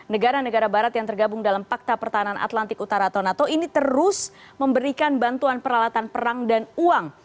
negara negara barat yang tergabung dalam fakta pertahanan atlantik utara atau nato ini terus memberikan bantuan peralatan perang dan uang